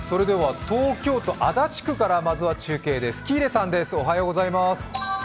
東京都足立区からまずは中継です。